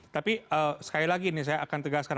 tapi sekali lagi ini saya akan tegaskan